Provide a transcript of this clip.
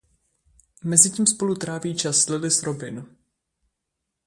Mezitím spolu tráví čas Lily s Robin.